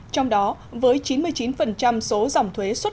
trong đó với chín mươi chín số dòng thuế xuất